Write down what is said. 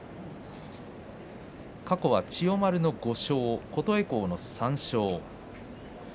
過去、千代丸の５勝琴恵光の３勝です。